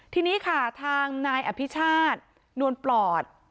ทีนี้ค่ะทางนายอภิชาตินวลปลอด